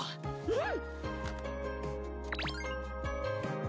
うん。